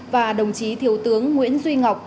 và đồng chí thiếu tướng nguyễn duy ngọc